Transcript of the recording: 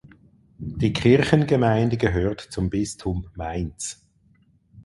Die Kirchengemeinde gehört zum Bistum Mainz.